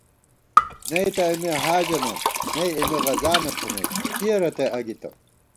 نئ تہ اېمےحاجَنہ، نئ اېمےغزانہ تھنَئیت کِیَہ رتئ اگِتہ